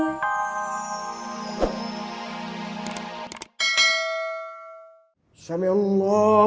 assalamu'alaikum warahmatullahi wabarakatuh